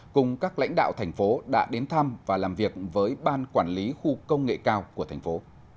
cùng các lãnh đạo thành phố đã đến thăm và làm việc với ban quản lý khu công nghệ cao của thành phố